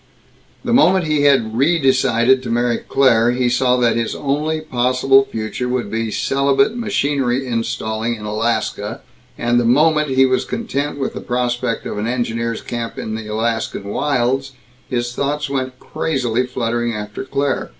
The moment he had redecided to marry Claire, he saw that his only possible future would be celibate machinery installing in Alaska; and the moment he was content with the prospect of an engineer's camp in Alaskan wilds, his thoughts went crazily fluttering after Claire.